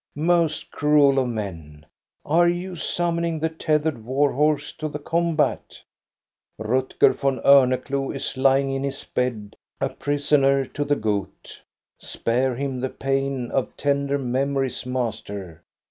Most cruel of men, are you summoning the tethered war horse to the combat? Rutger von Orneclou is lying in his bed, a prisoner to the gout. Spare him LA CACHUCHA 8l the pain of tender memories, master